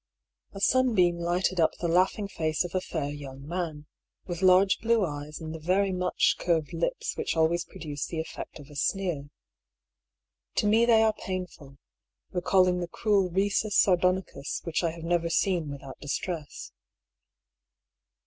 A sunbeam lighted up the laughing face of a fair young man, with large blue eyes and the very much curved lips which always produce the effect of a sneer. To me they are painful, recalling the cruel risus sardonicus which I have never seen without distress.